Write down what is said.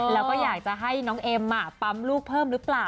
แล้วก็อยากจะให้น้องเอ็มปั๊มลูกเพิ่มหรือเปล่า